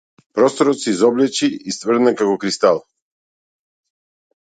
Просторот се изобличи и стврдна како кристал.